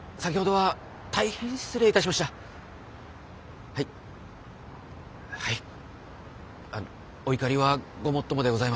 はい。